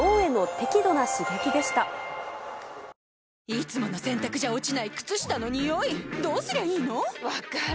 いつもの洗たくじゃ落ちない靴下のニオイどうすりゃいいの⁉分かる。